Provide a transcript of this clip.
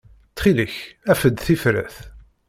Ttxil-k, af-d tifrat.